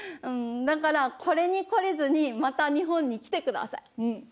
だからこれに懲りずにまた日本に来てください。